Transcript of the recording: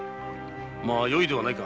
よいではないか。